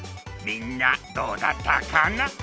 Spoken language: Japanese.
みんなどうだったかな？